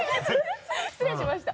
失礼しました。